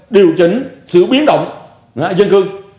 điều chỉnh sự biến động dân cư